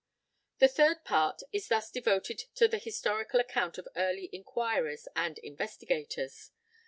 The third part is thus devoted to the historical account of early inquirers and investigators.